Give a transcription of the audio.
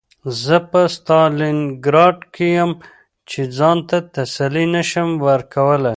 زه په ستالینګراډ کې یم چې ځان ته تسلي نشم ورکولی